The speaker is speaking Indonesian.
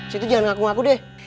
situ jangan ngaku ngaku deh